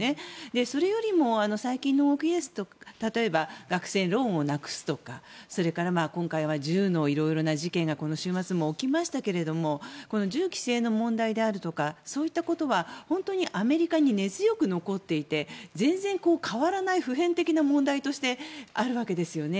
それよりも学生ローンをなくすとか今回は銃のいろいろな事件がこの週末も起きましたけども銃規制の問題であるとかそういったことは本当にアメリカに根強く残っていて全然変わらない不変的な問題としてあるわけですよね。